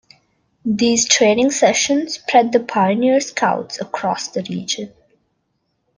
These training sessions spread the Pioneer-Scouts across the region.